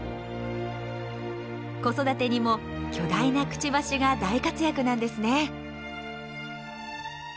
子育てにも巨大なクチバシが大活躍なんですね。